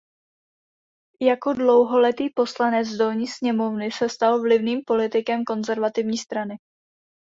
Jako dlouholetý poslanec Dolní sněmovny se stal vlivným politikem Konzervativní strany.